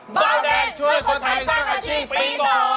เบาแดงช่วยคนไทยสร้างอาชีพปี๒